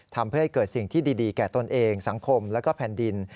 ทำให้เกิดสิ่งที่ดีแก่ตนเองสังคมและแผ่นดิน